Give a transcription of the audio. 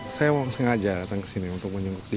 saya mau sengaja datang kesini untuk menjenguk dia